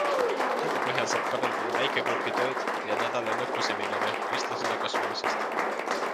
Nende põhjal saab korraldada väikegrupi tööd ja nädalalõpuseminare kristlasena kasvamisest.